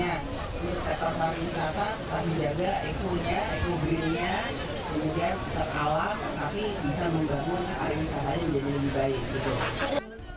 untuk sektor pariwisata tetap dijaga ekonya ekobirunya kemudian terkalah tapi bisa membangun pariwisatanya menjadi lebih baik